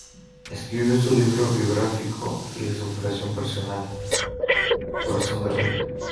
Escribió su libro biográfico y de superación personal "Corazón de Rey".